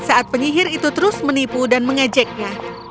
saat penyihir itu terus menipu dan mengejeknya